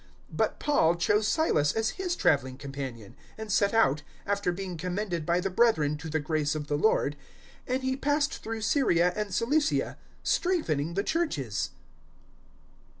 015:040 But Paul chose Silas as his travelling companion; and set out, after being commended by the brethren to the grace of the Lord; 015:041 and he passed through Syria and Cilicia, strengthening the Churches.